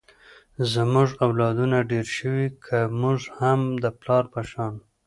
زمونږ اولادونه ډېر شوي ، که مونږ هم د پلار په شان